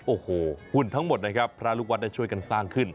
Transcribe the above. โอ้โหหุ่นทั้งหมดนะครับพระลูกวัดได้ช่วยกันสร้างขึ้น